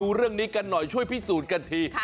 เรื่องนี้กันหน่อยช่วยพิสูจน์กันที